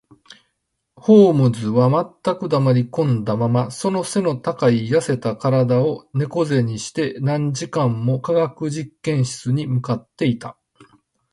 ホームズは全く黙りこんだまま、その脊の高い痩せた身体を猫脊にして、何時間も化学実験室に向っていた